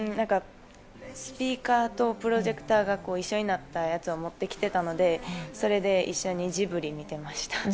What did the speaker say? スピーカーとプロジェクターが一緒になったやつを持ってきてたのでそれで一緒にジブリ見てました。